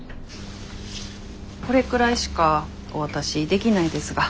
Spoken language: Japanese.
これくらいしかお渡しできないですが。